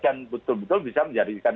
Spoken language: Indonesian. dan betul betul bisa menjadikan